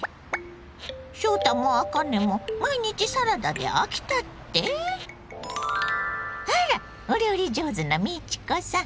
翔太もあかねも毎日サラダで飽きたって⁉あらお料理上手な美智子さん！